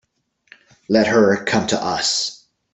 Let her come to us.